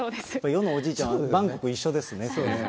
世のおじいちゃんは万国一緒ですね。